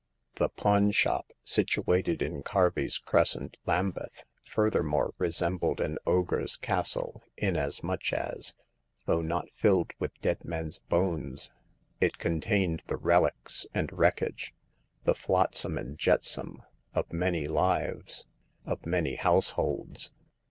The pawn shop — situated in Carby's Crescent, Lambeth— furthermore resembled ^n ogre's castle 8 Hagar of the Pawn Shop. inasmuch as, though not filled with dead men's bones, it contained the relics and wreckage, the flotsam and jetsam, of many Hves, of many house holds.